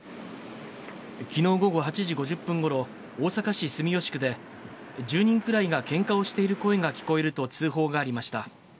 きのう午後８時５０分ごろ、大阪市住吉区で、１０人くらいがけんかをしている声が聞こえると通報がありました。